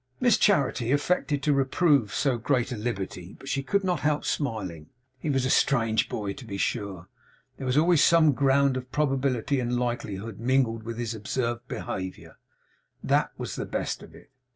Miss Charity affected to reprove so great a liberty; but she could not help smiling. He was a strange boy, to be sure. There was always some ground of probability and likelihood mingled with his absurd behaviour. That was the best of it!